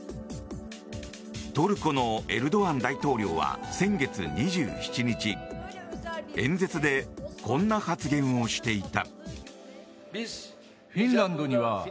トルコのエルドアン大統領は先月２７日演説でこんな発言をしていた。